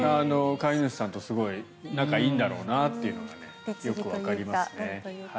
飼い主さんとすごい仲がいいんだろうなというのがよくわかりますね。